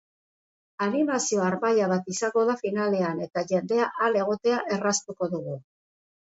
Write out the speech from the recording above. Animazio harmaila bat izango da finalean, eta jendea han egotea erraztuko dugu.